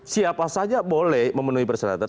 siapa saja boleh memenuhi persyaratan